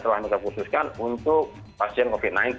telah kita khususkan untuk pasien covid sembilan belas